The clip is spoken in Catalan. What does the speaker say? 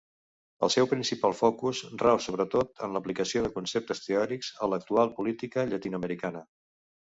El seu principal focus rau sobretot en l'aplicació de conceptes teòrics a l'actual política llatinoamericana.